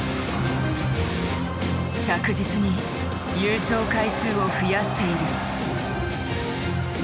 着実に優勝回数を増やしている。